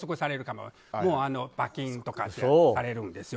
もう罰金とかされるんですよ。